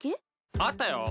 あったよ。